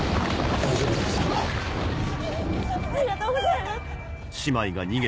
ありがとうございます。